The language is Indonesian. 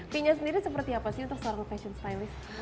fee nya sendiri seperti apa sih untuk seorang fashion stylist